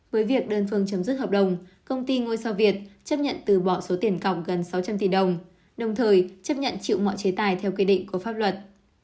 với việc đơn phương chấm dứt hợp đồng công ty ngôi sao việt chấp nhận từ bỏ số tiền cọc gần sáu trăm linh tỷ đồng đồng thời chấp nhận chịu mọi chế tài theo quy định của pháp luật